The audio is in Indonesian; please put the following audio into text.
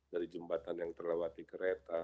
dari jembatan yang terlewati kereta